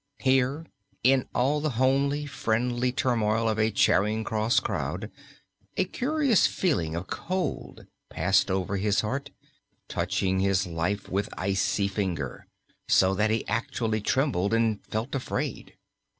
Here, in all the homely, friendly turmoil of a Charing Cross crowd, a curious feeling of cold passed over his heart, touching his life with icy finger, so that he actually trembled and felt afraid.